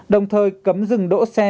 đồng thời cấm dừng đỗ xe